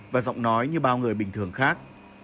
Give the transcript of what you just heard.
và giọng nói như bao người bình thường khác